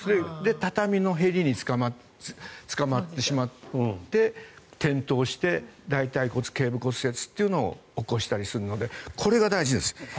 畳の縁につかまってしまって転倒して大腿骨頸部骨折というのを起こしたりするのでこれが大事です。